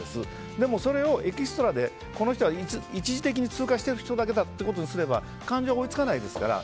でも、それをエキストラでこの人は一時的に通過していくだけの人だって思えば感情が追いつかないですから。